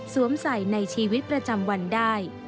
ใส่ในชีวิตประจำวันได้